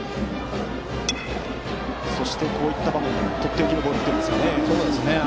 そしてこういった場面でとっておきのボールですね。